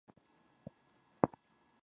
پېیر کوري د وسایلو پاکوالي یقیني کړ.